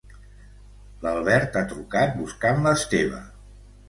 L'Albert ha trucat buscant l'Esteve